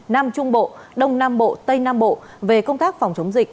nam trung bộ đông nam bộ tây nam bộ về công tác phòng chống dịch